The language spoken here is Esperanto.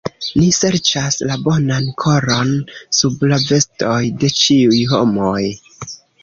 Ni serĉas la bonan koron sub la vestoj de ĉiuj homoj.